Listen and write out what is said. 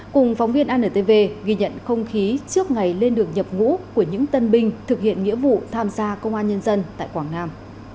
cùng phóng viên antv ghi nhận không khí trước ngày lên đường nhập ngũ của những tân binh thực hiện nghĩa vụ tham gia công an nhân dân tại quảng nam